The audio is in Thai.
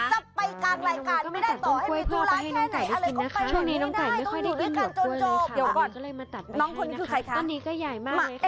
จับไปกันรายการไม่ได้ต่อให้มีตัวร้ายแค่ไหนอะไรก็ไปเลยไม่ได้ต้องหยุดรายการจนจบ